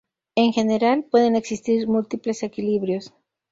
En general, pueden existir múltiples equilibrios.